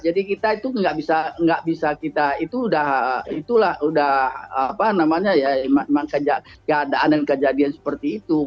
jadi kita itu nggak bisa kita itu udah keadaan dan kejadian seperti itu